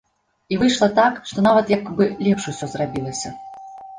І выйшла так, што нават як бы лепш усё зрабілася.